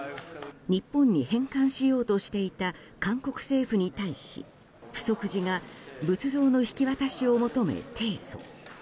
日本に返還しようとしていた韓国政府に対し浮石寺が仏像の引き渡しを求め提訴。